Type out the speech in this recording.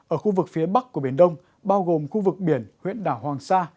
ở khu vực phía bắc của biển đông bao gồm khu vực biển huyện đảo hoàng sa